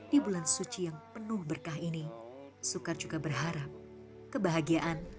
di bulan suci yang penuh berkah ini sukar juga berharap kebahagiaan